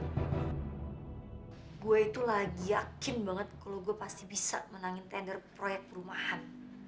gue itu lagi yakin banget kalau gue pasti bisa menangin tender proyek perumahan